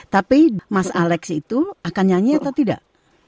tapi mas alex itu akan nyanyi atau tidak